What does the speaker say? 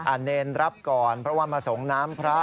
เนรรับก่อนเพราะว่ามาส่งน้ำพระ